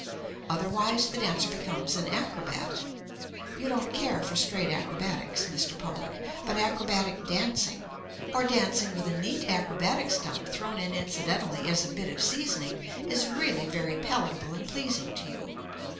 Otherwise the dancer becomes an acrobat. You don't care for straight acrobatics, Mr. Public, but acrobatic dancing, or dancing with a neat acrobatic stunt thrown in incidentally as a bit of seasoning, is really very palatable and pleasing to you.